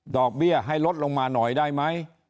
เบี้ยให้ลดลงมาหน่อยได้ไหม